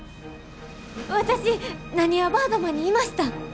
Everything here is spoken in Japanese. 私なにわバードマンにいました！